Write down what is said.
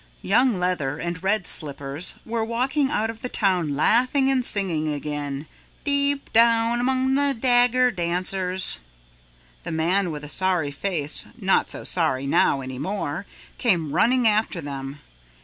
Young Leather and Red Slippers were walking out of the town laughing and singing again, "Deep Down Among the Dagger Dancers." The man with a sorry face, not so sorry now any more, came running after them.